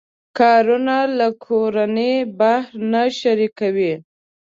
کارونه له کورنۍ بهر نه شریکوي.